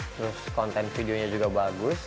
terus konten videonya juga bagus